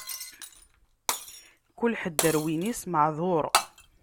Kul ḥedd, ɣer win-is maɛduṛ.